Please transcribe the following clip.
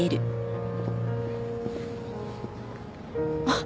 あっ。